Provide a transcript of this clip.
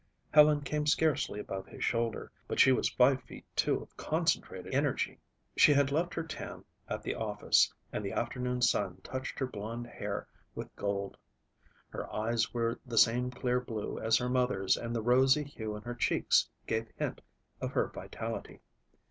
Helen came scarcely above his shoulder, but she was five feet two of concentrated energy. She had left her tam at the office and the afternoon sun touched her blond hair with gold. Her eyes were the same clear blue as her mother's and the rosy hue in her cheeks gave hint of her vitality.